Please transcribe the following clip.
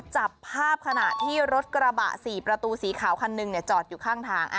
จับภาพขณะที่รถกระบะ๔ประตูสีขาวคันหนึ่งจอดอยู่ข้างทาง